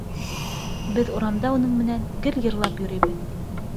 Беҙ урамда уның менән гел йырлап йөрөйбөҙ.